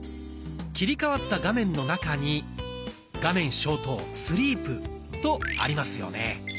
切り替わった画面の中に「画面消灯」とありますよね。